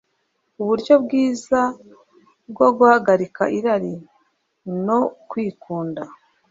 uburyo bwiza bwo guhagarika irari no kwikunda